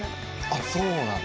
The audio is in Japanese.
あそうなんだ。